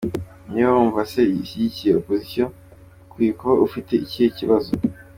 Niba wumva se ishyigikiye opposition ukwiye kuba ufite ikihe kibazo.